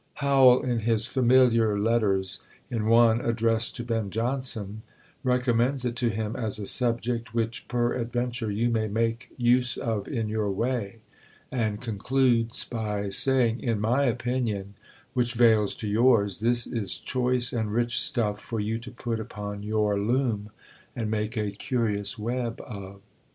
Howell, in his "Familiar Letters," in one addressed to Ben Jonson, recommends it to him as a subject "which peradventure you may make use of in your way;" and concludes by saying, "in my opinion, which vails to yours, this is choice and rich stuff for you to put upon your loom, and make a curious web of."